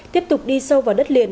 tiếp tục đi sâu vào đất liền